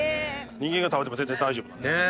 人間が食べても全然大丈夫なんです。